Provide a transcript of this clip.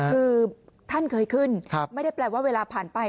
คือท่านเคยขึ้นไม่ได้แปลว่าเวลาผ่านไป